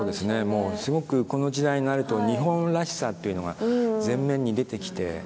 もうすごくこの時代になると日本らしさっていうのが前面に出てきて。